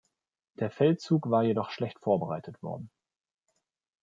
Der Feldzug war jedoch schlecht vorbereitet worden.